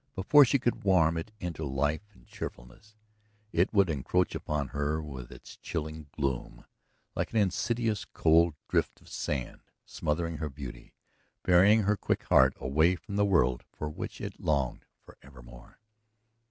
Before she could warm it into life and cheerfulness, it would encroach upon her with its chilling gloom, like an insidious cold drift of sand, smothering her beauty, burying her quick heart away from the world for which it longed, for evermore.